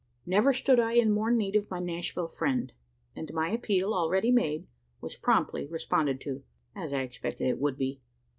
Never stood I in more need of my Nashville friend; and my appeal, already made, was promptly responded to as I expected it would be.